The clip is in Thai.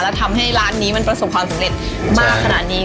และทำให้ร้านนี้มันประสบความสำเร็จมากขนาดนี้